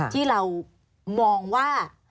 ที่เรามองว่า